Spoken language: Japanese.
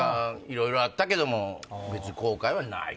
いろいろあったけど別に後悔はない。